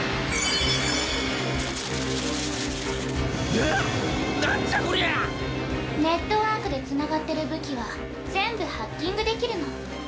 な何じゃこりゃあ⁉ネットワークでつながってる武器は全部ハッキングできるの。